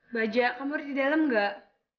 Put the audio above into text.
bajak kamu ada di dalam nggak